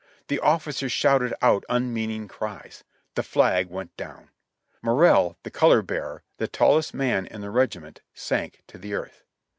The officers shouted out unmeaning cries. The flag went down. Morrill, the color bearer, the tallest man in the regiment, sank to the earth.